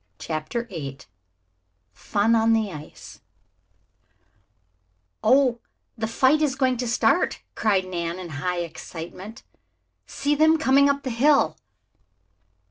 CHAPTER VIII FUN ON THE ICE "Oh, the fight is going to start!" cried Nan, in high excitement. "See them coming up the hill!"